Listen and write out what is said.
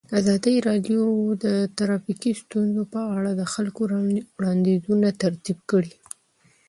ازادي راډیو د ټرافیکي ستونزې په اړه د خلکو وړاندیزونه ترتیب کړي.